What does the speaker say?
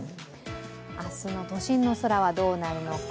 明日の都心の空はどうなるのか。